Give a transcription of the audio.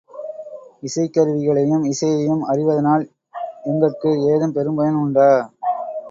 இசைக் கருவிகளையும் இசையையும் அறிவதனால் எங்கட்கு ஏதும் பெரும் பயன் உண்டோ?